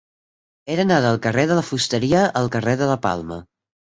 He d'anar del carrer de la Fusteria al carrer de la Palma.